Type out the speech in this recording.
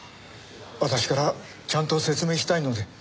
私からちゃんと説明したいので。